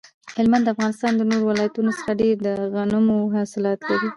هلمند د افغانستان د نورو ولایتونو څخه ډیر د غنمو حاصلات لري